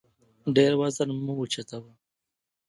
ډېر وزن مه اوچتوه